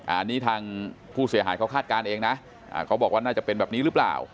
อันนี้ทางผู้เสียหายเขาคาดการณ์เองนะเขาบอกว่าน่าจะเป็นแบบนี้หรือเปล่า